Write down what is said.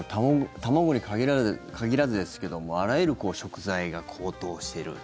卵に限らずですけどもあらゆる食材が高騰してると。